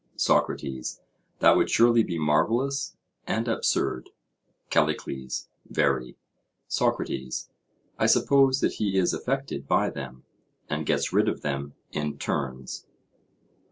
SOCRATES: That would surely be marvellous and absurd? CALLICLES: Very. SOCRATES: I suppose that he is affected by them, and gets rid of them in turns?